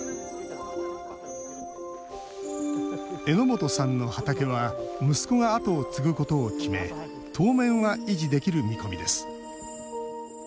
榎本さんの畑は息子が後を継ぐことを決め当面は維持できる見込みです。